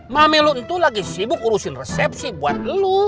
mami lu itu lagi sibuk urusin resepsi buat lu